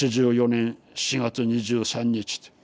「８４年４月２３日」って。